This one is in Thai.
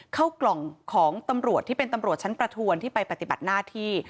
เข้ากล่องของตำรวจที่เป็นตำรวจชั้นประทวนที่ไปปฏิบัติหน้าที่